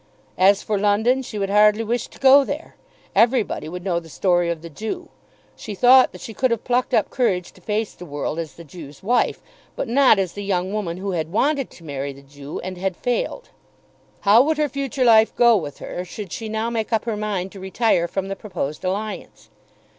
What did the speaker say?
As for London, she would hardly wish to go there! Everybody would know the story of the Jew. She thought that she could have plucked up courage to face the world as the Jew's wife, but not as the young woman who had wanted to marry the Jew and had failed. How would her future life go with her, should she now make up her mind to retire from the proposed alliance?